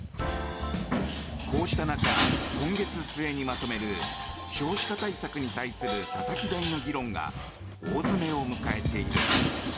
こうした中、今月末にまとめる少子化対策に対するたたき台の議論が大詰めを迎えている。